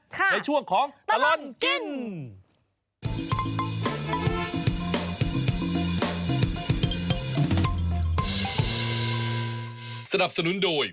ในช่วงของตลอดกิน